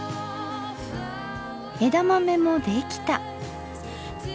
枝豆もできた。